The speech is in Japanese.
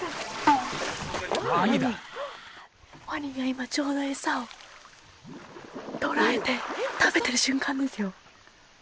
ワニだワニが今ちょうど餌を捕らえて食べてる瞬間ですよ